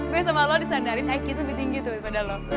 gue sama lo disandarin iq lebih tinggi tuh daripada lo